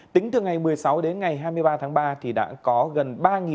tính từ ngày một mươi sáu đến ngày hai mươi ba tháng ba thì đã có gần ba một trăm linh